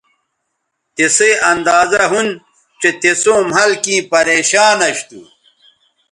تسئ اندازہ ھُون چہء تِسوں مھل کیں پریشان اش تھو